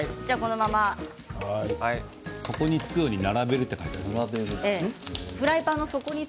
底につくように並べるって書いてあるよ。